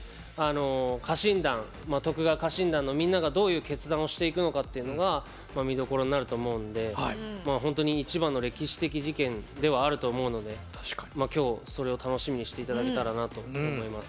家臣団徳川家臣団のみんながどういう決断をしていくのかっていうのが見どころになると思うんでほんとに一番の歴史的事件ではあると思うのでまあきょうそれを楽しみにして頂けたらなと思います。